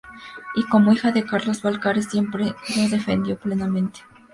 Y, como hija de Carlos Valcarce, siempre lo ha defendido plenamente.